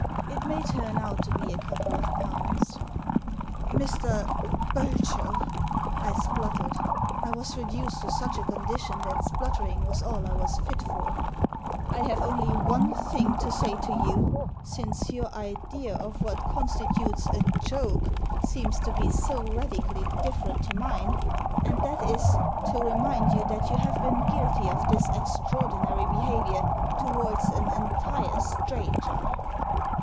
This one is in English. It may turn out to be a couple of pounds." "Mr. Burchell," I spluttered — I was reduced to such a condition that spluttering was all I was fit for — I have only one thing to say to you, since your idea of what constitutes a joke seems to be so radically different to mine, and that is to remind you that you have been guilty of this extraordinary behaviour towards an entire stranger."